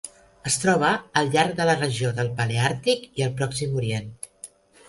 Es troba al llarg de la regió del Paleàrtic i el Pròxim Orient.